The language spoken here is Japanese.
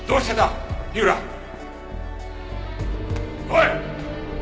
おい！